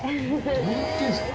どうなってるんですか？